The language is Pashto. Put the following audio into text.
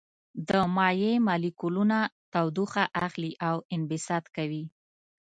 د مایع مالیکولونه تودوخه اخلي او انبساط کوي.